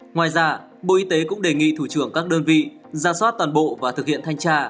ngoài ra bộ y tế cũng đề nghị thủ trưởng các đơn vị ra soát toàn bộ và thực hiện thanh tra